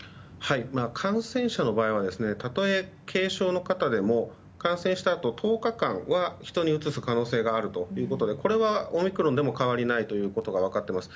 感染者の場合はたとえ軽症の方でも感染したあと１０日間は人にうつす可能性があるということでこれはオミクロンでも変わりないことが分かっています。